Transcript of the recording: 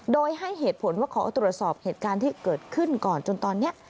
โดยให้เหตุผลว่าขอตรวจสอบเหตุการณ์ที่เกิดขึ้นก่อนจนตอนนี้